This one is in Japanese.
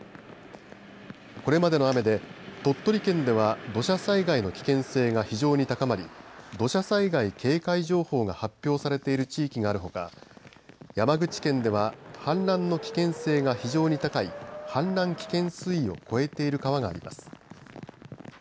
これまでの雨で鳥取県では土砂災害の危険性が非常に高まり土砂災害警戒情報が発表されている地域があるほか山口県では氾濫の危険性が非常に高い氾濫危険水位を超えている川があります。